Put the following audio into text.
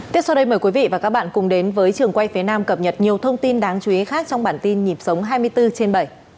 tiếp sau đây mời quý vị và các bạn cùng đến với trường quay phía nam cập nhật nhiều thông tin đáng chú ý khác trong bản tin nhịp sống hai mươi bốn trên bảy